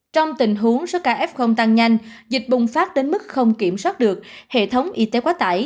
trong tình huống số ca f tăng nhanh dịch bùng phát đến mức không kiểm soát được hệ thống y tế quá tải